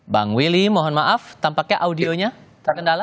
bang willy mohon maaf tampaknya audionya terkendala